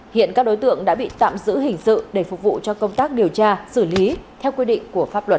hiện các đối tượng đã bị tạm giữ hình sự để phục vụ cho công tác điều tra xử lý theo quy định của pháp luật